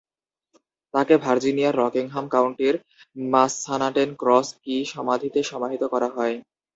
তাঁকে ভার্জিনিয়ার রকিংহাম কাউন্টির মাসসানাটেন-ক্রস কি সমাধিক্ষেত্রে সমাহিত করা হয়।